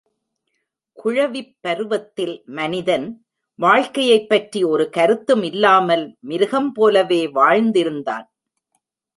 குழவிப் பருவத்தில் மனிதன், வாழ்க்கையைப் பற்றி ஒரு கருத்தும் இல்லாமல், மிருகம் போலவே வாழ்ந்திருந்தான்.